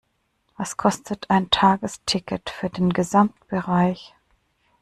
Was kostet ein Tagesticket für den Gesamtbereich?